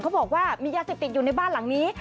บอกว่ามียาเสพติดอยู่ในบ้านหลังนี้